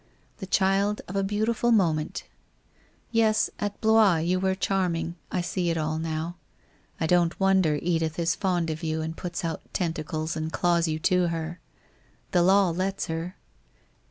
The child of a beautiful moment. Yes, at Blois you were charming, I see it all now. I don't wonder Edith is fond of you and puts out tentacles and claws you to her. The law lets her.